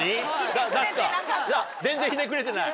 全然ひねくれてない？